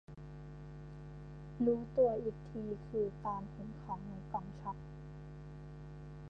รู้ตัวอีกทีคือตอนเห็นของในกล่อง ช็อค